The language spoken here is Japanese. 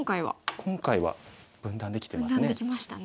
今回は分断できてますね。